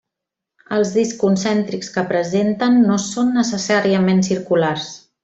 Els discs concèntrics que presenten no són necessàriament circulars.